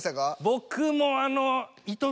僕もあの。